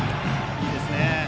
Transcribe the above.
いいですね。